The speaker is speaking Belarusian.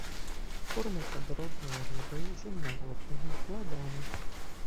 Кормяцца дробнай рыбай, земнаводнымі, пладамі.